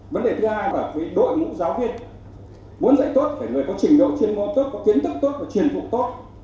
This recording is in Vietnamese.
vấn đề thứ hai là đội ngũ giáo viên muốn dạy tốt phải có trình độ chuyên môn tốt kiến thức tốt truyền thục tốt